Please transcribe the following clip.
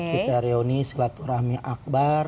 kita reuni selat rahmi akbar